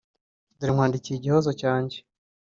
Dore nkwandikiye igihozo cyanjye